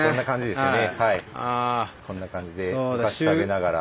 こんな感じでお菓子食べながら。